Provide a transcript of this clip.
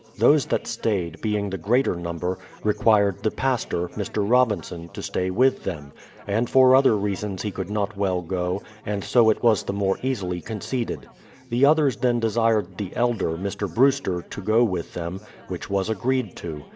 Those that stayed, being the greater number, required the pastor, Mr. Robinson, to stay with them ; and for other reasons he could not well go, and so it was the more easily conceded. The others then desired the elder, Mr. Brewster, to go with them, which was agreed to.